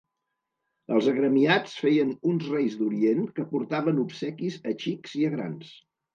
Els agremiats feien uns Reis d'Orient que portaven obsequis a xics i a grans.